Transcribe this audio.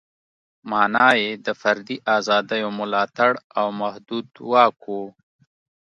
معنا یې د فردي ازادیو ملاتړ او محدود واک و.